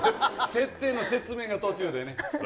設定の説明が途中でね。